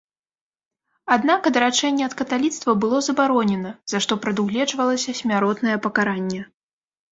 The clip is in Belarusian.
Аднак адрачэнне ад каталіцтва было забаронена, за што прадугледжвалася смяротнае пакаранне.